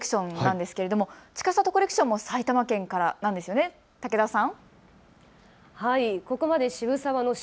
ここからはちかさとコレクションなんですけれどもちかさとコレクションも埼玉県からなんですよね、武田さん。